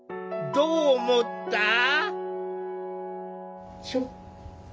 どう思った？